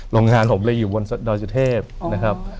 โรงงานผมเลยอยู่บนดอยสุเทพนะครับ